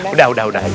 udah udah udah